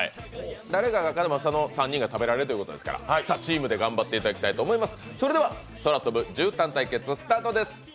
誰かが勝てば、３人が食べられるということですから、チームで頑張っていただきたいと思います。